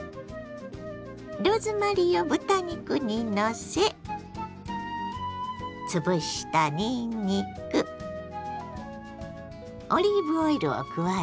ローズマリーを豚肉にのせ潰したにんにくオリーブオイルを加えます。